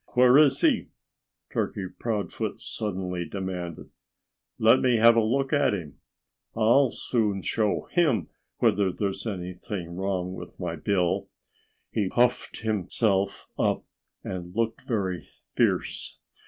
"Where is he?" Turkey Proudfoot suddenly demanded. "Let me have a look at him! I'll soon show him whether there's anything wrong with my bill." He puffed himself up and looked very fierce.